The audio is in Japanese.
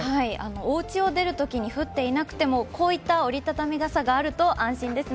おうちを出るときに降っていなくても、こういった折り畳み傘があると安心ですね。